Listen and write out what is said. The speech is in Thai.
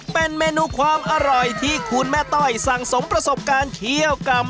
เป็นเมนูความอร่อยที่คุณแม่ต้อยสั่งสมประสบการณ์เคี่ยวกำ